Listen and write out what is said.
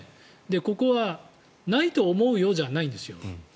ここは、ないと思うよじゃないんですよ。